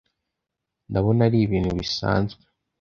Ndabona ari ibintu bisanzwe